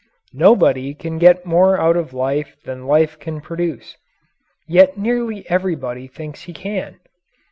Nobody can get more out of life than life can produce yet nearly everybody thinks he can.